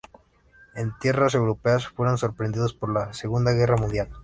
En tierras europeas fueron sorprendidos por la Segunda Guerra Mundial.